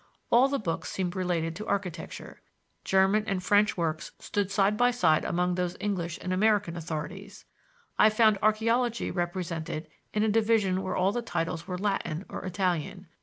All the books seemed related to architecture; German and French works stood side by side among those by English and American authorities. I found archaeology represented in a division where all the titles were Latin or Italian.